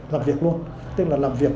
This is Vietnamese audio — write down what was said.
làm việc luôn tức là làm việc